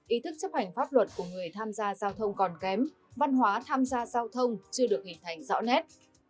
ý thức chấp hành pháp luật của người tham gia giao thông còn kém văn hóa tham gia giao thông chưa được hình thành rõ nét